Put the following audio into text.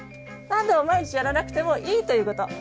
何度も毎日やらなくてもいいということ。